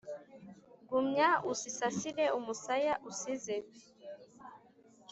gumya uzisasire umusaya usize